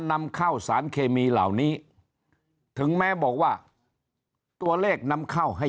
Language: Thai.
นำเข้าสารเคมีเหล่านี้ถึงแม้บอกว่าตัวเลขนำเข้าให้